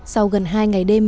sau gần hai ngày đêm